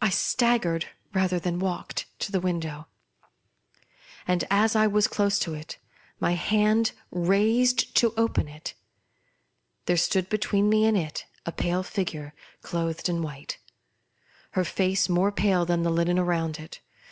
I staggered, rather than walked, to the window ; and, as I was close to it — my hand raised to open it — there stood between me and it a pale figure clothed in white ; her fiice more pale than the linen round it.